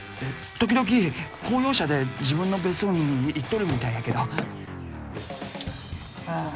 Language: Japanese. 時々公用車で自分の別荘に行っとるみたいやけど。